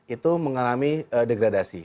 itu mengalami degradasi